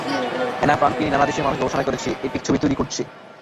An ফ্রাঙ্ককে নিয়ে নানা দেশের মানুষ গবেষণা করেছে, এপিক ছবি তৈরি করেছে।